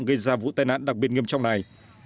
gây ra vụ tai nạn đặc biệt nghiêm trọng này